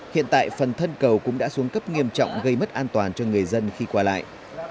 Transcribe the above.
hiện tại phần thân cầu cũng đã xuống cấp nghiêm trọng gây mất an toàn cho người dân khi qua lại